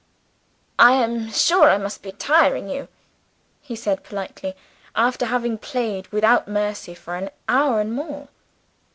"I am sure I must be tiring you," he said politely after having played without mercy for an hour and more.